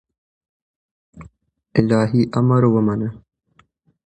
الهي امر ومانه